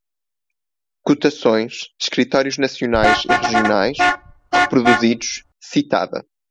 Cotações, escritórios nacionais e regionais, reproduzidos, citada